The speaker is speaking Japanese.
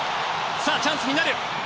チャンスになる。